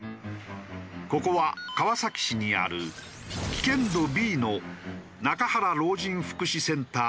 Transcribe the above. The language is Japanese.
ここは川崎市にある危険度Ｂの中原老人福祉センター入口バス停。